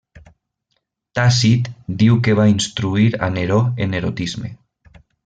Tàcit diu que va instruir a Neró en erotisme.